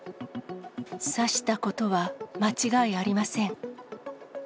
刺したことは間違いありませ